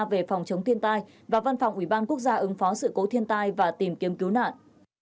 về phòng chống thiên tai và văn phòng ủy ban quốc gia ứng phó sự cố thiên tai và tìm kiếm cứu nạn